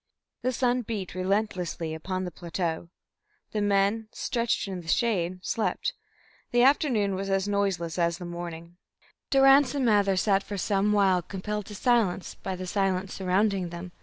The sun beat relentlessly upon the plateau; the men, stretched in the shade, slept; the afternoon was as noiseless as the morning; Durrance and Mather sat for some while compelled to silence by the silence surrounding them.